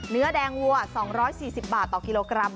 เนื้อแดงวัว๒๔๐บาทต่อกิโลกรัม